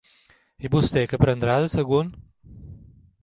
I vostè, què prendrà de segon?